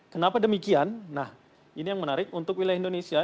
kenapa demikian nah ini yang menarik untuk wilayah indonesia